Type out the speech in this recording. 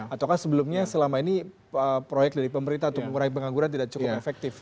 atau kan sebelumnya selama ini proyek dari pemerintah atau proyek pengangguran tidak cukup efektif